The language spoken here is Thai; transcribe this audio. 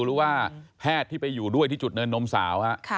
หรือว่าแพทย์ที่ไปอยู่ด้วยที่จุดเนินนมสาว